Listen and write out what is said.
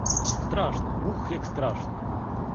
Страшно, ух, як страшно!